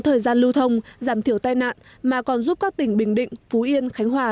thời gian lưu thông giảm thiểu tai nạn mà còn giúp các tỉnh bình định phú yên khánh hòa